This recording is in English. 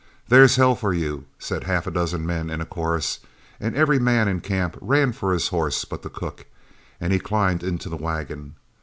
"There's hell for you," said half a dozen men in a chorus, and every man in camp ran for his horse but the cook, and he climbed into the wagon.